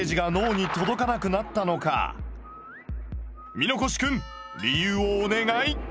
箕越くん理由をお願い。